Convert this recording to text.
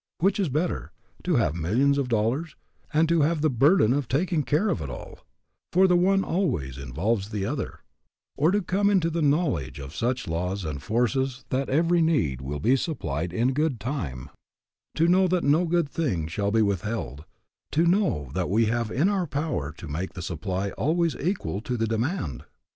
Which is better, to have millions of dollars, and to have the burden of taking care of it all, for the one always involves the other, or to come into the knowledge of such laws and forces that every need will be supplied in good time, to know that no good thing shall be withheld, to know that we have it in our power to make the supply always equal to the demand?